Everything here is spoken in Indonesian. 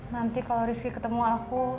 nanti kalau rizky ketemu aku